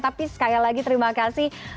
tapi sekali lagi terima kasih